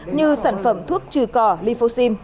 như sản phẩm thuốc trừ cỏ